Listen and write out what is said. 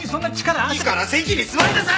いいから席に座りなさい！